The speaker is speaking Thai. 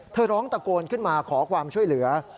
ร้องตะโกนขึ้นมาขอความช่วยเหลือ